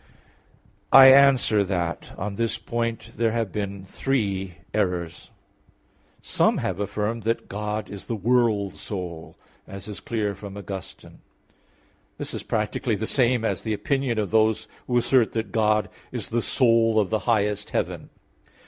I answer that, On this point there have been three errors. Some have affirmed that God is the world soul, as is clear from Augustine (De Civ. Dei vii, 6). This is practically the same as the opinion of those who assert that God is the soul of the highest heaven.